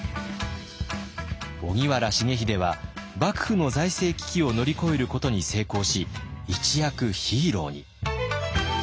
荻原重秀は幕府の財政危機を乗り越えることに成功し一躍ヒーローに。